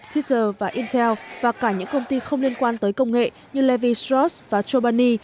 twitter và intel và cả những công ty không liên quan tới công nghệ như levi strauss và chobani